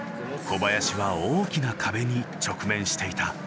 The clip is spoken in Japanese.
小林は大きな壁に直面していた。